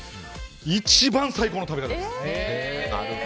一番、最高の食べ方です。